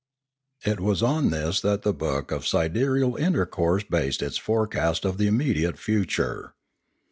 It was on this that the book of Sidereal Intercourse based its forecast of the immediate future.